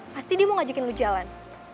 pasti dia mau ngajakin lu jalan